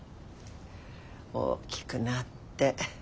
大きくなって。